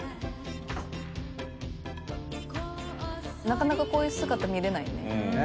なかなかこういう姿見れないよね。